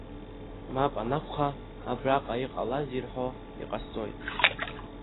Мап анакәха, абраҟа иҟалази рҳәо иҟасҵоит.